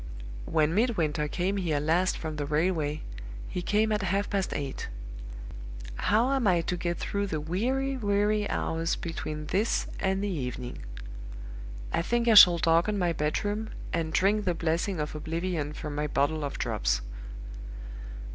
"When Midwinter came here last from the railway, he came at half past eight. How am I to get through the weary, weary hours between this and the evening? I think I shall darken my bedroom, and drink the blessing of oblivion from my bottle of Drops."